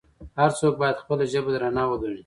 هر څوک باید خپله ژبه درنه وګڼي.